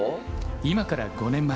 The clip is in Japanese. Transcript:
今から５年前。